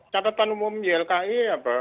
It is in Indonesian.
catatan umum ylki